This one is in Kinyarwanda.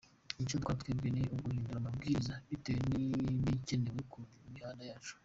Icyo dukora twebwe ni uguhindura amabwiriza bitewe n’ibikenewe ku mihanda yacu.